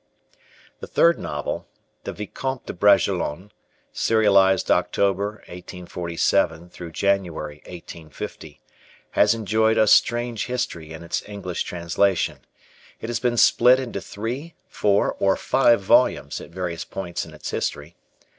The third novel, The Vicomte de Bragelonne (serialized October, 1847 January, 1850), has enjoyed a strange history in its English translation. It has been split into three, four, or five volumes at various points in its history.